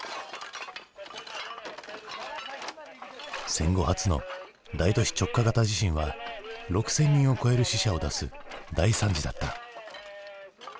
戦後初の大都市直下型地震は６，０００人を超える死者を出す大惨事だった。